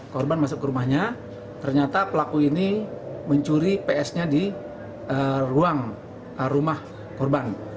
korban masuk ke rumahnya ternyata pelaku ini mencuri ps nya di ruang rumah korban